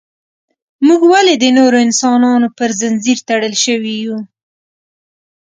موږ ولې د نورو انسانانو پر زنځیر تړل شوي یو.